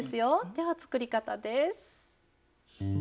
では作り方です。